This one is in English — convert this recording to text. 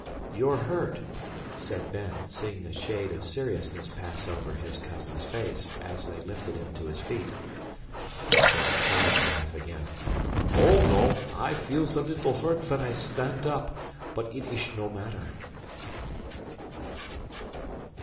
"You're hurt!" said Ben, seeing a shade of seriousness pass over his cousin's face as they lifted him to his feet. Jacob tried to laugh again. "Oh, no I feels a little hurt ven I stant up, but it ish no matter."